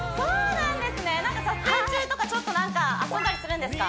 なんか撮影中とかちょっとなんか遊んだりするんですか？